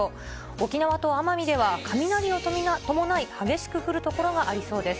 沖縄と奄美では、雷を伴い激しく降る所がありそうです。